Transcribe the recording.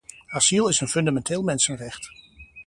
Asiel is een fundamenteel mensenrecht.